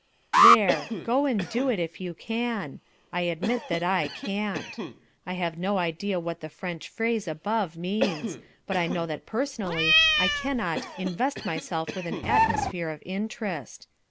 '" There! Go and do it if you can. I admit that I can't. I have no idea what the French phrase above means, but I know that personally I cannot "invest myself with an atmosphere of interest."